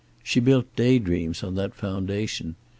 She built day dreams on that foundation.